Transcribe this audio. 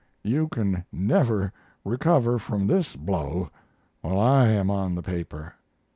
You can never recover from this blow while I am on the paper."